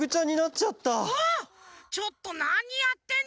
ちょっとなにやってんのさ！